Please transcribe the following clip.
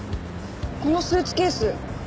このスーツケース。